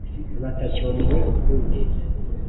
batacyomowe ukundi.